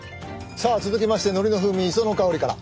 さあ続きましてのりの風味磯の香りから。